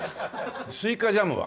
スイカジャムは？